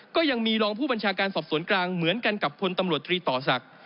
ก็ยังมีรองผู้บัญชาการสอบสวนกลางเหมือนกันกับพลตำรวจตรีต่อศักดิ์